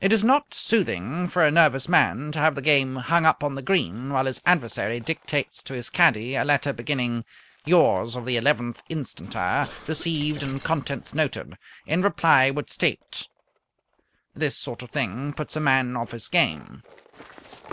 It is not soothing for a nervous man to have the game hung up on the green while his adversary dictates to his caddy a letter beginning "Yours of the 11th inst. received and contents noted. In reply would state " This sort of thing puts a man off his game.